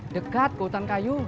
dekat ke hutan kayu